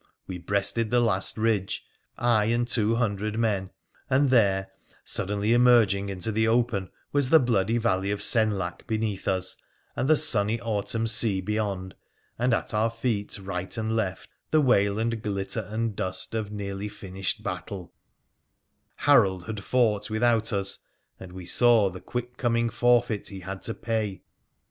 We breasted the last ridge, I and two hundred men, and there, suddenly emerging into the open, was the bloody valley of Senlac beneath us, and the sunny autumn sea beyond, and at our feet right and left the wail and glitter and dust of nearly 12 WONDERFUL ADVENTURES OP finished battle — Harold had fought without us, and we saw the quick coming forfeit he had to pay.